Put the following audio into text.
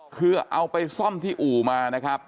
คือเอาไปซ่อมที่อู่มานะครับ